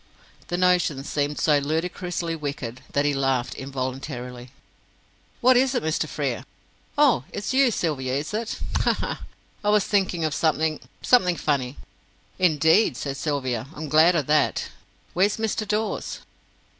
The notion seemed so ludicrously wicked that he laughed involuntarily. "What is it, Mr. Frere?" "Oh, it's you, Sylvia, is it? Ha, ha, ha! I was thinking of something something funny." "Indeed," said Sylvia, "I am glad of that. Where's Mr. Dawes?"